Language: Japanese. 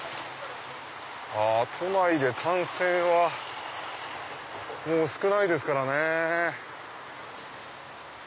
都内で単線はもう少ないですからね。